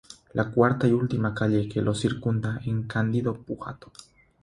La cuarta y última calle que lo circunda es Cándido Pujato.